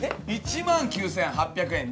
１万９，８００円。